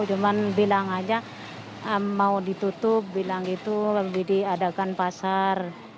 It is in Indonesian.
cuma bilang saja mau ditutup bilang itu diadakan pasar